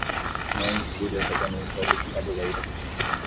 Mãe e filha jogando um jogo de tabuleiro